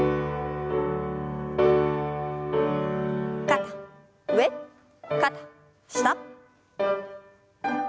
肩上肩下。